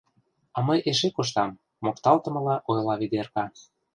— А мый эше коштам, — мокталтымыла ойла Ведерка.